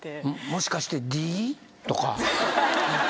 「もしかしてＤとか？」